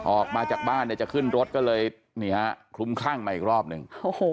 ออกมาจากบ้านจะขึ้นรถก็เลยคุ้มข้างมาอีกรอบนึง